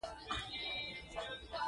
د بابا پۀ شاعرۍ کښې ځای پۀ ځای